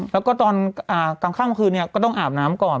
แล้วก็ตอนต่างมาคืนนี้ก็ต้องอาบน้ำก่อน